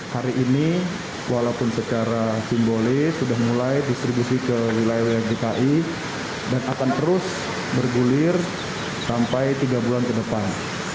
hari ini walaupun secara simbolis sudah mulai distribusi ke wilayah wilayah dki dan akan terus bergulir sampai tiga bulan ke depan